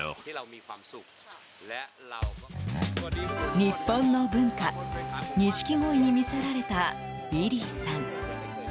日本の文化、ニシキゴイに魅せられたウィリーさん。